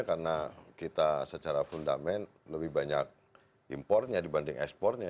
karena kita secara fundament lebih banyak importnya dibanding ekspornya